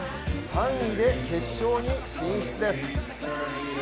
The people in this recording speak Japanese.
３位で決勝に進出です。